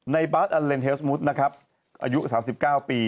ในบาร์ดอัลเลนด์เฮลส์มุทรอายุ๓๙ปี